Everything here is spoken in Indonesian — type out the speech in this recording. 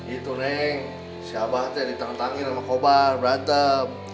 itu neng si abah tuh yang ditentangin sama kobar berantem